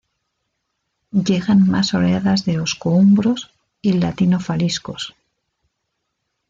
Llegan más oleadas de osco-umbros y latino-faliscos.